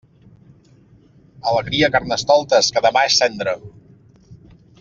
Alegria, Carnestoltes, que demà és cendra.